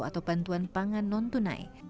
atau bantuan pangan non tunai